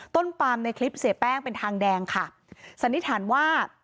ปลามในคลิปเสียแป้งเป็นทางแดงค่ะสันนิษฐานว่า